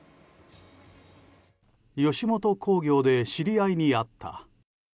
吉本興業で知り合いに会った。